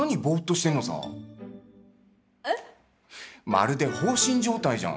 まるで放心状態じゃん！